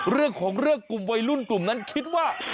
เรื่องของเรื่องกลุ่มวัยรุ่นกลุ่มนั้นคิดว่า